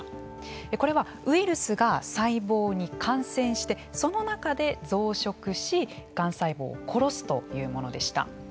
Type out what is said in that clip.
これはウイルスが細胞に感染してその中で、増殖しがん細胞を殺すというものでした。